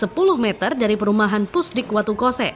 berjarak sepuluh meter dari perumahan pustik watukose